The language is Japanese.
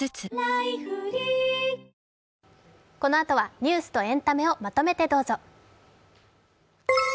このあとはニュースとエンタメをまとめてどうぞ。